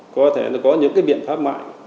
có thể nó có những cái biện pháp mại